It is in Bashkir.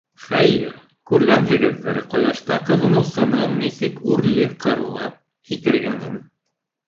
Хәйер, күргәнһегеҙҙер, ҡояшта ҡыҙыныусының нисек үрле-ҡырлы һикергәнен.